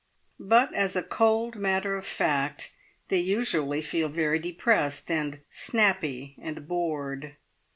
But as a cold matter of fact they usually feel very depressed and snappy and bored.